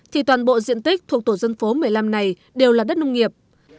thì toàn bộ diện tích thuộc tổ dân phố một mươi năm này đều là đất nông nghiệp